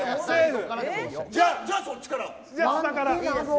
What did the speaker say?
じゃあ、そっちから！